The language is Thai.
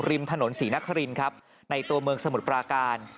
ริมถนนศรีนครินครับในตัวเมืองสมุทรปราการ